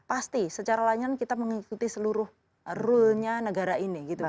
pasti secara layanan kita mengikuti seluruh rule nya negara ini gitu